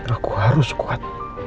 aku harus kuat